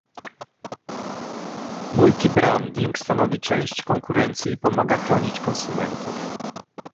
Multibranding stanowi część konkurencji i pomaga chronić konsumentów